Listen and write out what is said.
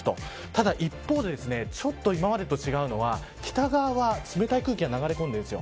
ただ一方でちょっと今までと違うのは北側は、冷たい空気が流れ込んでるんです。